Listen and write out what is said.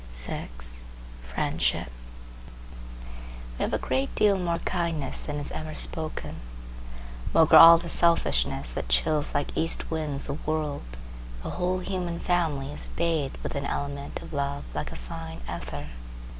FRIENDSHIP We have a great deal more kindness than is ever spoken. Maugre all the selfishness that chills like east winds the world, the whole human family is bathed with an element of love like a fine ether.